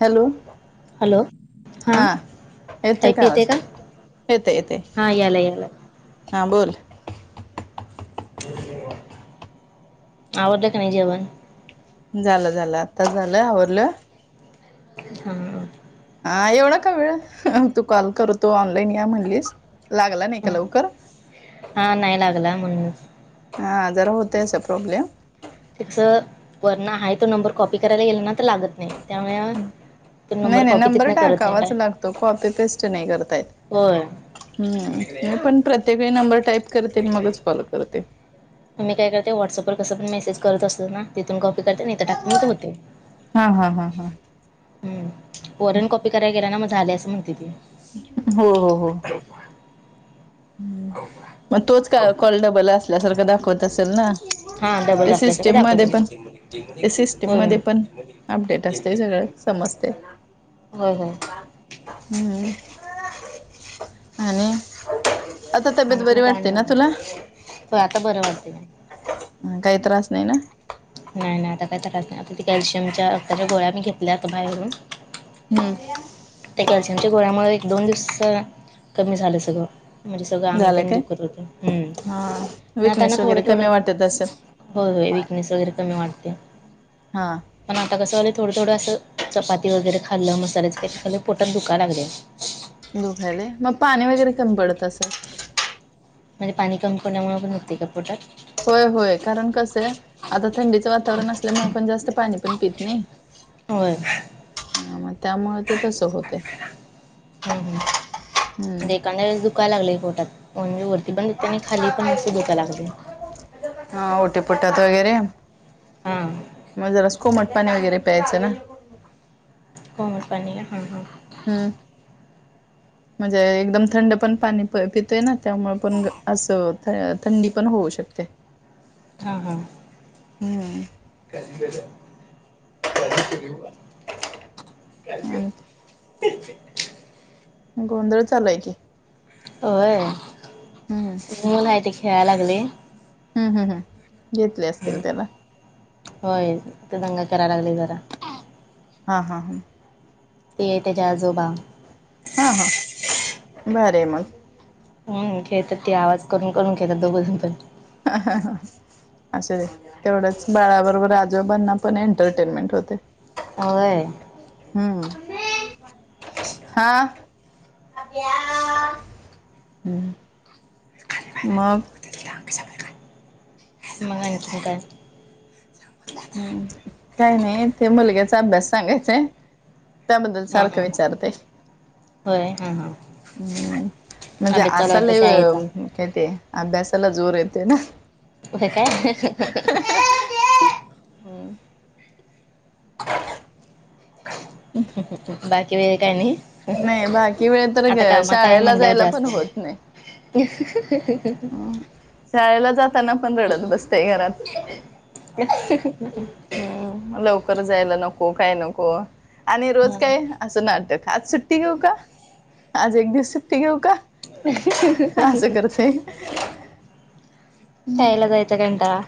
Hello? Hello? हा, येतोय ऐकु येते आवाज का? येते येते हा, यालाय यालाय. हा, बोल आवरलं का नाही जेवण? झालं झालं, आत्ताच झालंय, आवरल. हा. हा, येवढ का वेळ? तू कॉल करू तो ऑनलाईन या म्हणलीस, लागला नाही का लवकर? हा, नाही लागला, म्हण हा, जरा होतय असा प्रॉब्लेम. तस वरण आहे तो नंबर कॉपी करायला गेला ना, तर लागत नाही, त्यामुळे तो नाही नाही, कॉपी नंबर तिथनं करत नाही टाकावाच डाय लागतो, कॉपी पेस्ट नाही करता येत. होय हम्म! मी पण प्रत्येकळी नंबर टाईप करते, मगच कॉल करते. त मी काय करते, व्हॉट्सअपवर कस पण मेसेज कर असतात ना, तिथून कॉफी करते, आणि इथे टाकते, मग ते होतय. हा हा हा हा. हम्, वरन कॉपी करायला गेल ना, म झाले असं म्हणतय ते. हो हो हो. [inaudible] मग तोच कॉल डबल असल्यासारखं दाखवत असेल ना? हा डबल ए असल्यासारखं सिस्टीम मध्ये पण, दाखवते ए सिस्टीम होय मध्ये पण, होय अपडेट असतेय सगळंच. समजतय. होय होय. हम्म! आणि? आता तब्येत बरी आणखीन काय वाटते नाही ना बघा तुला? हो, आता बरं वाटतय. काही त्रास नाही ना? नाही नाही, आता काही त्रास नाही, आता ते कॅल्शियमच्या अताच्या गोळ्या मी घेतल्यात बाहेरून हम्. त्या कॅल्शियमच्या गोळ्यामुळे, एक दोन दिवस कमी झालं सगळं. म्हणजे सगळं अंग झालं तेने काय दुकरत होत, हा हम्म! आताना विकनेस थोडं वगैरे कमी थोडं वाटत असेल होय होय, विकनेस वगैरे कमी वाटतोय. हा. पण आता कसं व्हालय, थोडं थोडं असं चपाती वगैरे खाल्लं, मसाल्याच खा पोटत दुखायला लागलय. दुखायलय, मग पाणी वगैरे कमी पडत असल. म्हणजे पाणी कमीपडल्यामुळे पण दुखतंय का पोटात? होय होय, कारण कसं आहे, आता थंडीचं वातावरण असल्यामुळे पण जास्त पाणी पण पत नाही. होय. मग त्यामुळे ते तसं होतय. हम हम, हम्म म्हणजे एखाद्या वेळेस दुखायला लागलय पोटात. म्हणजे वरती पण त्यांनी खाली पण अस दुकाय लागलय. हा ओटीपोटात वगैरे हां म जरास कोमट पाणी वगैरे प्यायचं ना. कोमट पाणी ह ह हम्म [unintelligible] म्हणजे एकदम थंड पण पाणी प पितोय ना त्यामुळ पण असं थंडी पण होऊ शकते. हा हा. हम्म [unintelligible] आणि [unintelligible] गोंधळ चालूय की होय हम्म मुल हाय ती खेळाय लागलय. हूं हूं हूं घेत तोय असतील हम्म. त्याला होय तो दंगा कराय लागलय जरा हा हा ह ते त्याजे आजोबा हां हां बरंय मग. हम्म खेळतात ती आवाज करून करून खेळतात दोघजण पण हा हा हा ह असुदे तेवढच बाळाबरोबर आजोबांना पण एंटरटेनमेंट होते. होय. हम्म हा हं मग [unintelligible] मग आणखीन काय हम्म काय नाय ते मुलग्याचा अभ्यास सांगायचाय त्याबद्दल हा सारखं हा. विचारतय. होय हा हा हम् म्हणजे अभ्यास चालू असा आहे लय शाळेचा काय ते अभ्यासाला जोर येते ना होय काय. हम्म बाकी वे काय नाय. नाय बाकी वेळत तर शाळेला म्हणल्यावर जायला पण जास्त होत नाय. [inaudible] शाळेला जाताना पण रडत बसतय घरात. [unintelligible] हम्म लवकर जायला नको काय नको आणि रोज हा काय असं नाटक आज सुट्टी घेऊ का? आज एक दिवस सुट्टी घेऊ का? अस करतय. शाळेला जायचां कंटाळा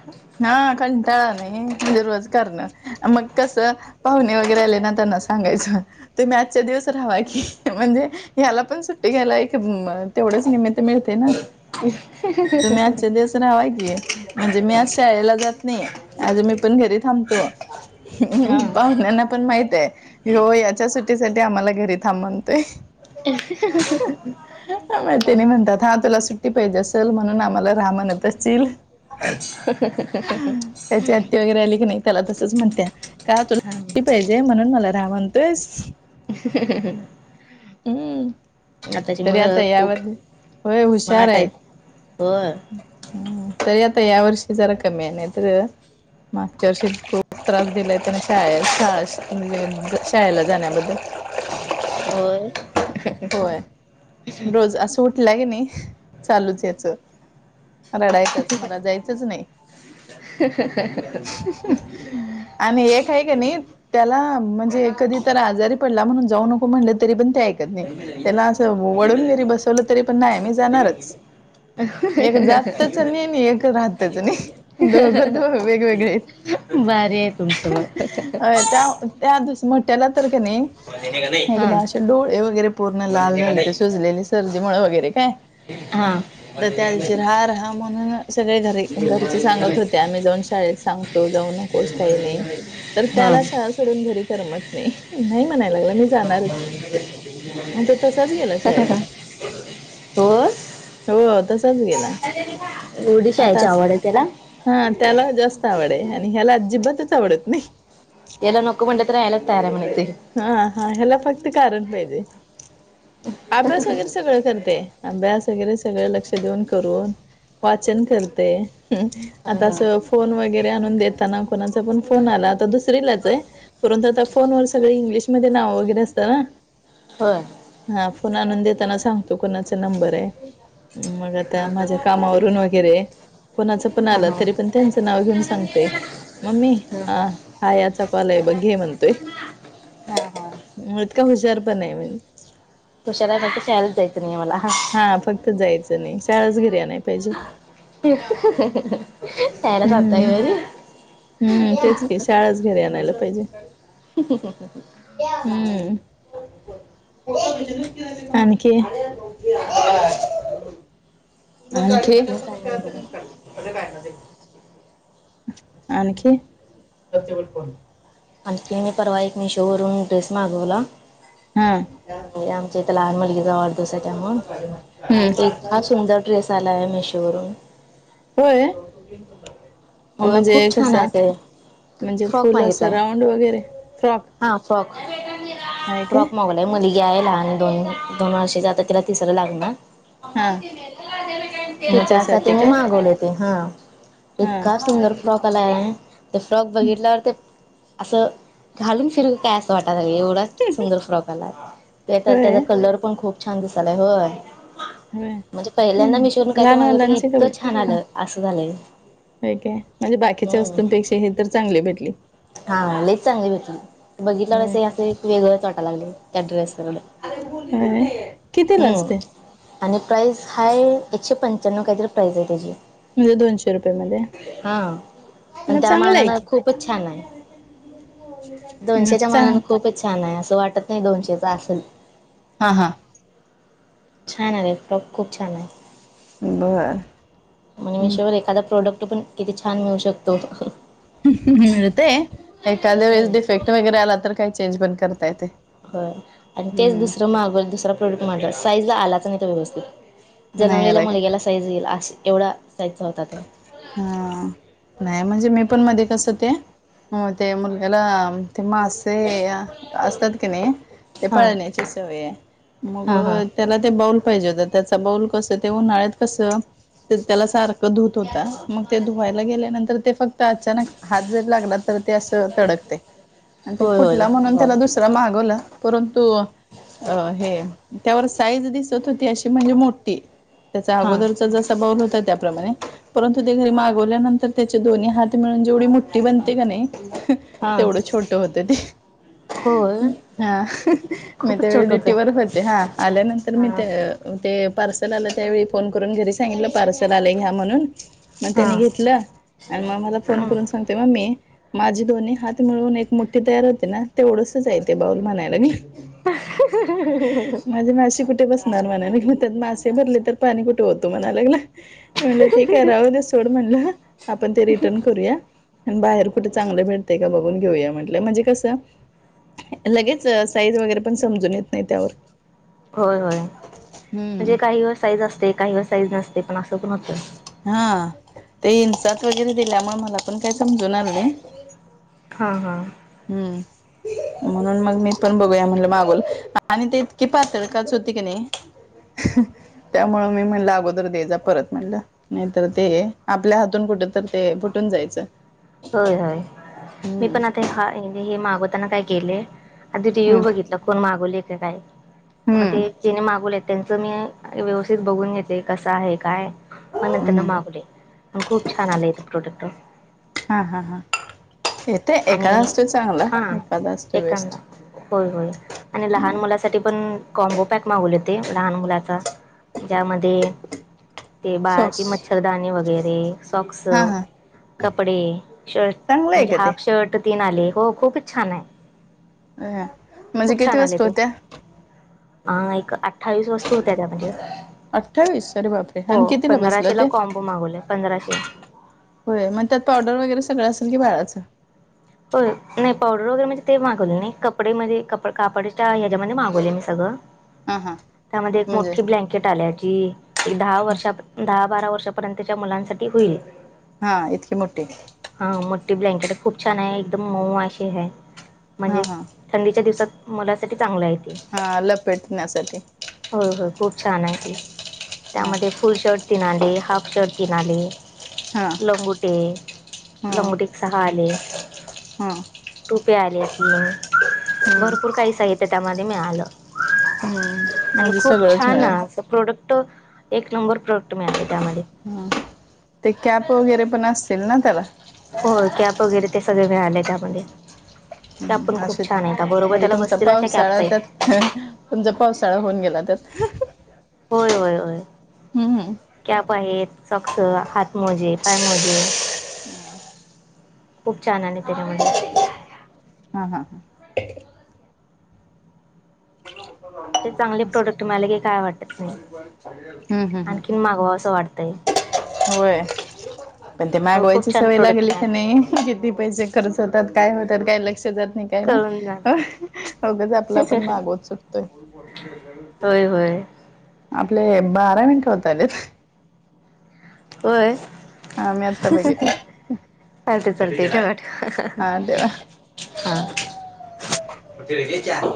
हा कंटाळा आलाय म्हणजे रोज करणार मग कसं पाहुणे वगैरे आले ना त्यांना सांगायचं तुम्ही आजच्या दिवस राव्हा की म्हणजे ह्याला पण सुट्टी घ्यायला एक तेवढच निमित मिळतय ना तुम्ही आजच्या दिवस राव्हा की म्हणजे मी आज शाळेला जात नाही आज मी पण घरी थांबतो. हा हम् पाहुण्यांना पण माहितय हो याच्या सुट्टीसाठी आम्हाला घरी थांब म्हणतोय. ए स स. तेनी म्हणतात हा तुला सुट्टी पाहिजे असेल म्हणून आम्हाला राह म्हणत असशील. [unintelligible] त्याची आत्ती वगैरे आली की नाही त्याला तसच म्हणत्या काय तुला सुट्टी पाहिजे. जय म्हणून मला राह म्हणतोयस. ह.. हम्म. तरी आता मुलं खूप यावर होय हुशार स्मार्ट आहे. आहेत होय ह तरी आता या वर्षी जरा कमी आहे नाही तर. मागच्या वर्षी खूप त्रास दिलाय त्यांनी शाळे शाळा शाळेला जाण्याबद्दल. होय. होय रोज असं उठलं की नाही चालूच याच रडायचाच मला जायचंच नाही. आणि एक आहे की नाही. त्याला म्हणजे कधी तर आजारी पडला म्हणून जाऊ नको म्हणलं तरी पण ते ऐकत नाही. त्याला असं वडून जरी बसवलं तरी पण नाही मी जाणारच. एक जातच नाही आणि एक राहतच नाही दोघ दो वेगवेगळे आहेत. भारी आहे तुमचं मग. अ त्या त्या मोठ्याला तर की नी. एकदा असे डोळे वगैरे पूर्ण लाल झालते सुजलेली सर्दीमुळे वगैरे काय? हा हा आणि त्या दिवशी राहा राहा म्हणून सगळे घरी घरचे सांगत होते आम्ही जाऊन शाळेस..... सांगतो जाऊ नकोस काही नाही तर हा त्याला शाळा सोडून घरी करमत नाही नाही म्हणाय लागला मी जाणारच मग तो तसाच गेला शाळेत. हो हो तसाच गेला एवढी शाळेची आताच.... आवड आहे त्याला हा त्याला जास्त आवड आहे आणि ह्याला अजिबातच आवडत नाही. याला नको म्हंटल तरी यायलाच तयार आहे म्हणतंय. हा हा ह्याला फक्त कारण पाहिजे. अभ्यास वगैरे सगळं करतय अभ्यास वगैरे सगळं लक्ष देऊन करून वाचन करते. आता ह अस फोन वगैरे आणून देताना कोणाचा पण फोन आला तर आता दुसरीलाच आहे परंतु आता फोन वर सगळे इंग्लिशमध्ये नाव वगैरे असतात ना. होय. हा फोन आणून देताना सांगतो कोणाचा नंबर आहे मग हा हा माझ्या कामावरून वगैरे कोणाच पण आलं तरी ह पण त्यांचं नाव घेऊन सांगतेय.. मम्मी हा हा याचा कॉल आहे बघ घे म्हणतोय, हा हा इतका हुशार पण आहे म्हणजे. तुशारलासाठी शालाच जायंच नाही मला हा फक्त जायचं नाही शाळाच घरी आणायला पाहिजे. शाळेलाच आणताय हम्म घरी. हम्म तेच की शाळाच घरी आणायला पाहिजे. हम्म आणखी..... [inaudible] आणखी [inaudible] आणखी. आणखी मी परवा एक मीशो वरून ड्रेस मागवला हा एक लहान मुलगीचा वाढदिवस, आहे त्यामुळ हम्म इतका सुंदर ड्रेस आलाय मीशो वरून. होय! होय म्हणजे खूप कस छान आहे ते म्हणजे फ्रॉक फुल असं मागितलाय राऊंड वगैरे फ्रॉक? हा फ्रॉक आहे काय फ्रॉक [unintelligible] मागलाय नाही [unintelligible] आहे लहान दोन-दोन वर्षाची आता तिला तिसरं लागनार. हा म त्यासाठी तिच्यासाठी मी काय मागवले ते हा! हा इतका सुंदर. फ्रॉक आला आहे, ते फ्रॉक बघितल्यावर ते असं घालून फिरूत होत्या अस वाटाय लागलंय एवढाच सुंदर फ्रॉक आलाय, त्याचा होय त्याला कलर पण खूप छान दिसालाय होय. होय म्हणजे पहिल्यांदा हम्म मिशो वरन काय तरी लहान मागवलं ते मुलांचे इतकं छान आलं असं झालंय. व्हय काय म्हणजे बाकीच्या वस्तूंपेक्षा हे तर चांगली भेटली. हां लईच चांगली भेटली बघितल्यावर होय अस असे एक वेगळच वाटाय लागलय त्या ड्रेस. [unintelligible] हं किती ला असते. आणि प्राइज हाये एकशे पंच्याण्णव काहीतरी प्राईज आहे त्याची. म्हणजे दोनशे रुपये मध्ये, हा पण मग त्या चांगलं आहे मानानं कि. खूपच छान आहे. [inaudible] दोनशेच्या मानान खूपच छान आहे असं वाटत नाही दोनशेचा असल. हा हा! छान आलेत फ्रॉक खूप छान आहे. बर म्हने मिशोवर एखादा प्रोडक्ट पण किती छान मिळू शकतो. मिळते एखाद्या वेळेस डिफेक्ट वगैरे आला तर काही चेंज पण करता येते. आणि तेच हम्म दुसरं मागव दुसरा प्रोडक्ट मारला साईज ला आलाच नाही तर व्यवस्थित. नाही जन्मलेल्या आला काय मुलग्याला साईज येईल, अस एवढा साईजचा होता तो. हा नाही म्हणजे मी पण मध्ये कसं ते. हं ते मुलग्याला ते मासे असतात की नाही ते हां पळण्याची सवय मग हां हां त्याला ते बाऊल पाहिजे होत, त्याच बाऊल कसं ते उन्हाळ्यात कसं त्याला सारखं धुत होता मग ते धुवायला गेल्यानंतर ते फक्त अचानक हात जर लागला तर ते असं तडकतय, आणि ते होय होय फुटला म्हणून बर त्याला दुसरा मागवला परंतु अ हे त्यावर साईज दिसत होती अशी म्हणजे मोठी. त्याच्या हां अगोदरचा जसा बऊल होता त्याप्रमाणे परंतु ते घरी मागवल्यानंतर त्याचे दोन्ही हात मिळून जेवढी मुठठी बनते का नही हां. तेवढं छोटं होत ते. होय हा मी खूपच त्यावेळी छोट ड्युटी होतं वर होते हा. आल्यानंतर मी हां ते-ते पार्सल आलं त्यावेळी फोन करून घरी सांगितलं पार्सल आले घ्या म्हणून. म हां त्यानी घेतलं आणि म मला फोन हां करून सांगतोय मम्मी माझी दोनि हात मिळून एक मुठ्ठी तयार होते ना तेवढंसच आहे ते बाऊल म्हणायला मी. माझे मासे कुठे बस नार म्हणे, नि मग त्यात मासे भरले तर पाणी कुठे ओतु म्हणायलागला. ठीक आहे राहू दे सोड म्हणलं आपण ते रिटर्न करूया. अन बाहेर कुठ चांगलं भेटतय का बघून घेऊया म्हटलं म्हणजे कसं. लगेच साईज वगैरे पण समजून येत नाही त्यावर. होय, होय हम्म. म्हणजे काही वर साईज असते, काहीवर साईज नसते पण असं पण होतं. हा ते इंसात वगैरे दिल्यामुळे मला पण काही समजून आलं नाही हा हां हम्म म्हणून मग मी पण बघूया म्हणलं मागोल आणि ते इतकी पातळ काच होती की नाही त्यामुं मी म्हणलं अगोदर द्याय जा परत म्हणलं नाही तरर ते आपल्या हातून कुठ तर ते फुटून जायचं होय होय मी हम्म. पण आता हा हे मागवताना काय केले आधी हम्म रिव्ह्यू बघितला कोण मागवले का काय मग ते हम्म जेने मागवले त्यांचं मी व्यवस्थित बघून घेते कसं आहे काय मग नंतर ना हम्म मागवले प खूप छान आलेयथ प्रोडक्ट हा हा हा येते एखादा आणि असस्त चांगला हा एखादा असत एकांदा बेस्ट होय होय आणि लहान मुलासाठी पण कॉम्बो पॅक मागवले ते लहान मुलाचा ज्यामध्ये ते सॉक्स बाळाची मच्छरदानी वगैरे सॉक्स हा हा कपडे शर्ट चांगलं आहे मुणजे का ते? हाफ शर्ट तीन आले हो खूपच छान आहे अ म्हणजे किती वाजतू होत्या हा एक अठ्ठावीस वस्तू होत्या त्या म्हणजे अठ्ठावीस अरे बापरे हो आणि कितीला बसलं पंधराशेला ते कॉम्बो मागवले पंधराशे होय मग त्यात पावडर वगैरे सगळं असेली बाळाचं हो नाही पावडर वगैरे म्हणजे ते मागवले नाही कपडे म कप कापडच्या ह्याच्यामध्ये मागवले मी ब हा हा म्हणजे बारा वर्षापर्यंतच्या मुलांसाठी होईल हा इतकीे मोठे हा मोठी ब्लँकेट खूप छान आहे, एकदम मऊशी आहेै हा म्हणजे. हा थंडीच्या दिवसात मलासाठी चांगलं य ते. हा लपेटण्यासाठी होय होय खूप छान आहे ती हा त्यामध्ये. फुल शर्ट तिनाले हाफ शर्ट तिनाले. हा [unintelligible] लंगुटे हा लंगुटे एक सहा आले. हा. टोपे आल्या तीन हम्म भरपूर काही साहित्य त्यामध्ये मिळालं. हम्म आणि म्हणजे खूप सगळंच छान मिळालं आहे असं, प्रोडक्ट एक नंबर प्रोडक्ट मिळाले त्यामध्ये. हं, ते कॅप वगैरे पण असतील ना त्याला. हो कॅब वगैरे ते सगळ मिळाले त्यामध्ये. कॅब पण हं, खूप असे छान आहे, त्या बरोबर म्हणजे त्याला तुमचा बसतील अशा पावसाळा कॅबचा आहे. त्यात तुमचा पावसाळा होऊन गेला, तरत. होय होय होय. हम्मम. कॅब आहेत चक्स हात मोजे पाय मोजे. खूप छानल आहे तरी मु हा हा हां. असे चांगले असं प्रोडक्ट मला की काय वाटत नाही, हम्म हम्म हम्म आणखीन मागवा असं वाटत. ते. होय पण ते मागवायची सवय लागली क नाही, किती पैसे खर्च होतात, काय होतात काय लक्ष जात नाही. काही नाही करून जात अगच आपला पण मागवत सुटतोय. होय होय. आपले बारा मिनट होत आलेत. होय? हा मी आत्ता बघितलं चालतय चालतय, ठेवा ठेवा. हा ठेवा हा.